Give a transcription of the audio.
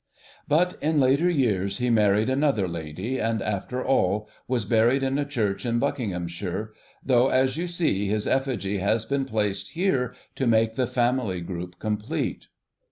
But in later years he married another lady, and, after all, was buried in a church in Buckinghamshire, though, as you see, his effigy has been placed here to make the family group complete.